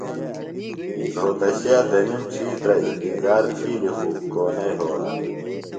رہوتشیہ تنِم ڇھیترہ ا نتظار تھِیلیۡ خو کو نہ یھولہ۔